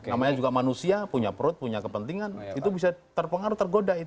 namanya juga manusia punya perut punya kepentingan itu bisa terpengaruh tergoda